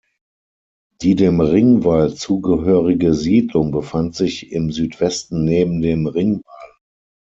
Die dem Ringwall zugehörige Siedlung befand sich im Südwesten neben dem Ringwall.